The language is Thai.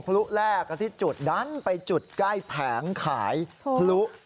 พลุแรกที่จุดดันไปจุดใกล้แผงขายพลุ